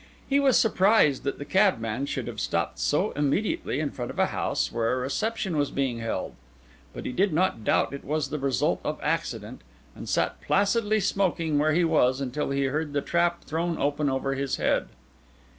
He was surprised that the cabman should have stopped so immediately in front of a house where a reception was being held; but he did not doubt it was the result of accident, and sat placidly smoking where he was, until he heard the trap thrown open over his head.